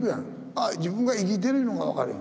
ああ自分が生きてるいうのが分かるやん。